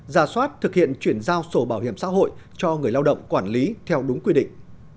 ra soát thực hiện chuyển giao sổ bảo hiểm xã hội cho người lao động quản lý theo đúng quy định